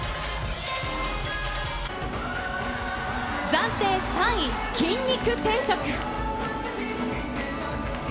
暫定３位、筋肉定食。